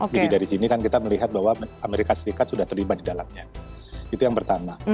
jadi dari sini kan kita melihat bahwa amerika serikat sudah terlibat di dalamnya itu yang pertama